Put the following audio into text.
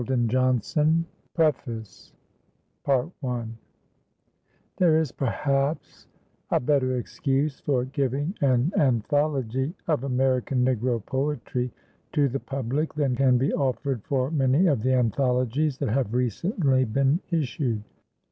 To a Skull PREFACE There is, perhaps, a better excuse for giving an Anthology of American Negro Poetry to the public than can be offered for many of the anthologies that have recently been issued.